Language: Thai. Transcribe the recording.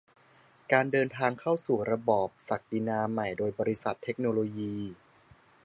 การเดินทางเข้าสู่ระบอบศักดินาใหม่ โดยบริษัทเทคโนโลยี